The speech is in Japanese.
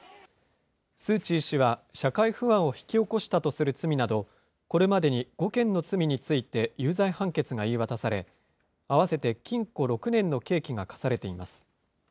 スー・チー氏は社会不安を引き起こしたとする罪など、これまでに５件の罪について有罪判決が言い渡され、合わせて禁錮６年の刑期が科されています。